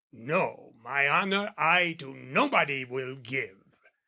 "No, "My honour I to nobody will give!"